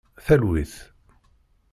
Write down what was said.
Talwit.